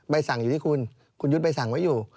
สั่งอยู่ที่คุณคุณยุทธ์ใบสั่งไว้อยู่